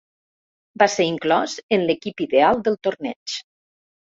Va ser inclòs en l'equip ideal del torneig.